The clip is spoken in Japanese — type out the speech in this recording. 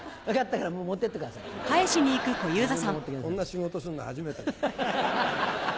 こんな仕事するの初めてだ。